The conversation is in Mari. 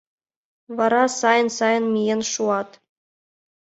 Вара сайын-сайын миен шуат.